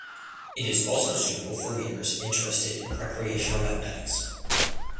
It is also suitable for readers interested in recreational mathematics.